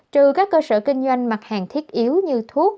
trừ các cơ sở kinh doanh mặt hàng thiết yếu như thuốc